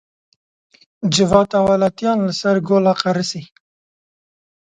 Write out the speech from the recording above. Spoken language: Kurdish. Civata welatiyan li ser gola qerisî.